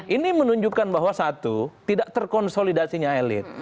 ini menunjukkan bahwa satu tidak terkonsolidasinya elit